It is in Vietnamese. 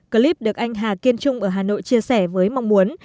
clip được anh hà kiên trung ở hà nội chia sẻ với mong muốn